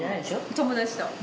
友達と。